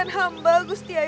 tetap di sisi bayi